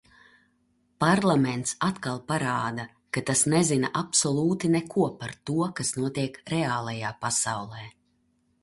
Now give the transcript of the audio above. Parlaments atkal parāda, ka tas nezina absolūti neko par to, kas notiek reālajā pasaulē.